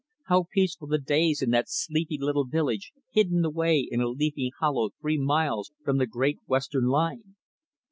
How peaceful the days in that sleepy little village hidden away in a leafy hollow three miles from the Great Western line!